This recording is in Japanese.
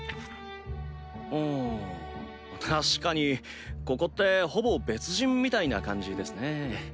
ああ確かにここってほぼ別人みたいな感じですね。